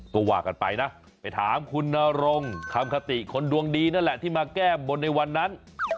ก็ว่ากันไปนะไปถามคุณนรงคำคติคนดวงดีนั่นแหละที่มาแก้บนในวันนั้น